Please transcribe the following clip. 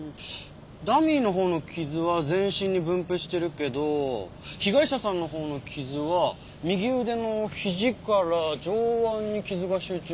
ダミーのほうの傷は全身に分布してるけど被害者さんのほうの傷は右腕の肘から上腕に傷が集中してるね。